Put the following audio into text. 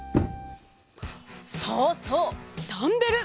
そうそうダンベル！